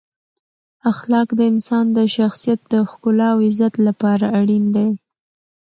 اخلاق د انسان د شخصیت د ښکلا او عزت لپاره اړین دی.